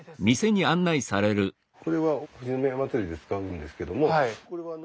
これは富士宮まつりで使うんですけども。